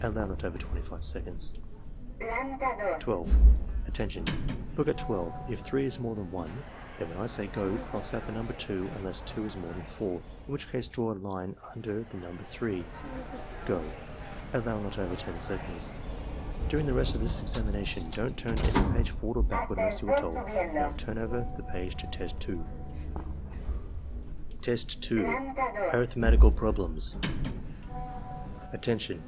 (Allow not over 25 seconds.) . 12. "Attention! Look at 12. If 3 is more than 1, then EXAMINER'S GUIDE 63 (when I say 'go') cross out the number 2 unless 2 is more than 4, in which case draw a line under the number 3. — Go! " (Allow not over 10 seconds.) *' During the rest of this examination don't turn any page forward or backward unless you are told to. Now turn over the page to Test 2." Test 2. — ^Arifhmetical Problems "Attention!